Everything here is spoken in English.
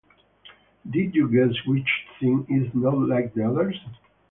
Did you guess which thing is not like the others?